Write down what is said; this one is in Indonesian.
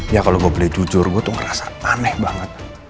ya kalau gue boleh jujur gue tuh ngerasa aneh banget